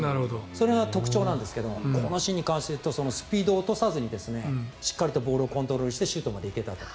それが特徴なんですけどこのシーンに関して言うとスピードを落とさずにボールをコントロールしてシュートまで行けたと。